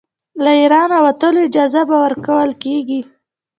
له اېرانه وتلو اجازه به ورکوله کیږي.